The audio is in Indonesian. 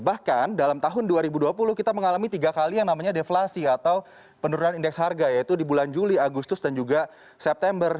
bahkan dalam tahun dua ribu dua puluh kita mengalami tiga kali yang namanya deflasi atau penurunan indeks harga yaitu di bulan juli agustus dan juga september